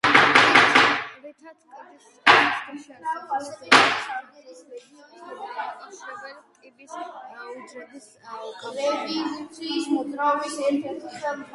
რითიც კედლის სისქეში არსებულ, ზედა სართულთან დამაკავშირებელი კიბის უჯრედს უკავშირდება.